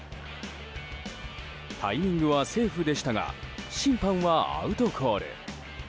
タイミングはセーフでしたが審判はアウトコール。